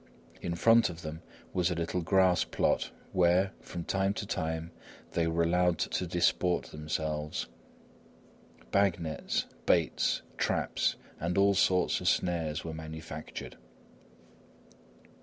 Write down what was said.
In front of them was a little grass plot where, from time to time, they were allowed to disport themselves. Bag nets, baits, traps and all sorts of snares were manufactured.